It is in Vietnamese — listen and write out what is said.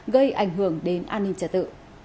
gây ảnh hưởng đến an ninh trật tự